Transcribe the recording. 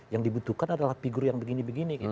yang dibutuhkan adalah figur yang begini begini